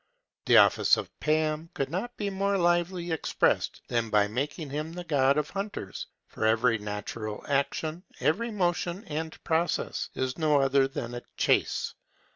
The office of Pan could not be more livelily expressed than by making him the god of hunters; for every natural action, every motion and process, is no other than a chase.